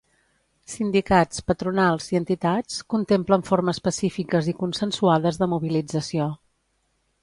Sindicats, patronals i entitats contemplen formes pacífiques i consensuades de mobilització.